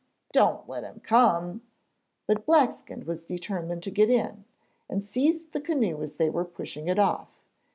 Don't let him come!' But Blackskin was determined to get in, and seized the canoe as they were pushing it off.